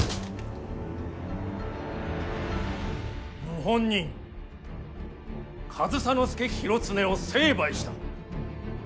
謀反人上総介広常を成敗した。